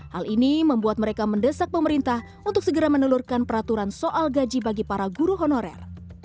hal ini membuat mereka mendesak pemerintah untuk segera menelurkan peraturan soal gaji bagi para guru honorer